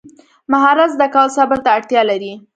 مهارت زده کول صبر ته اړتیا لري.